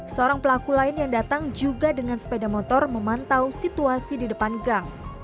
seorang pelaku lain yang datang juga dengan sepeda motor memantau situasi di depan gang